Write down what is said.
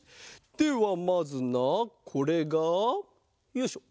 ではまずなこれがよいしょ。